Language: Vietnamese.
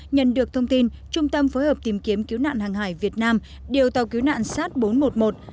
nhận được thông tin trung tâm phối hợp tìm kiếm cứu nạn hàng hải việt nam điều tàu cứu nạn sát bốn trăm một mươi một